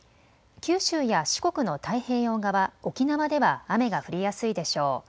九州や四国の太平洋側、沖縄では雨が降りやすいでしょう。